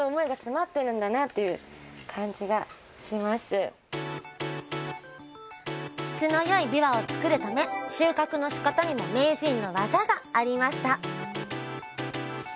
実際に質の良いびわを作るため収穫のしかたにも名人の技がありました！